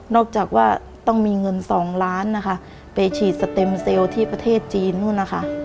นอกจากว่าต้องมีเงิน๒ล้านไปฉีดสเต็มเซลล์ที่ประเทศจีน